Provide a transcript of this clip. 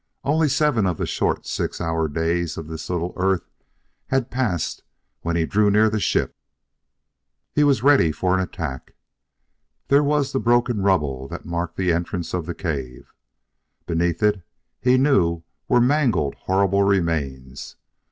Only seven of the short six hour days of this little earth had passed when he drew near the ship. He was ready for an attack. There was the broken rubble that marked the entrance of the cave. Beneath it, he knew, were mangled, horrible remains.